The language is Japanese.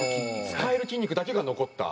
使える筋肉だけが残った。